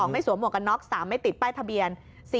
๒ไม่สวมหมวกกันน็อค๓ไม่ติดใบทะเบียน